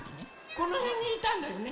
このへんにいたんだよね。